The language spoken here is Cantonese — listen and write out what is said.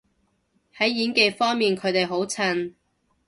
喺演技方面佢哋好襯